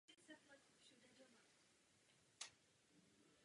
Při rekonstrukci byla k jižní straně přistavěna zděná část.